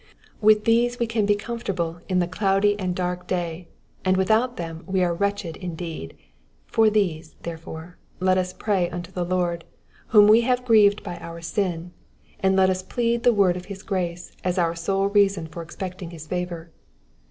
With these we can be comfortable in the cloudy and dark day, and without them we are wretched indeed ; for these, therefore, let us pray unto the Lord, whom we have grieved by our sin, and let us plead the word of his grace as our sole reason for expecting his favour.